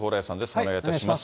お願いいたします。